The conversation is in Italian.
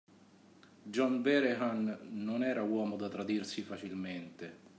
John Vehrehan non era uomo da tradirsi facilmente.